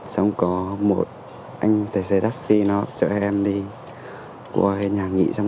xong có một anh tài xe taxi nó chở em đi qua cái nhà nghị xong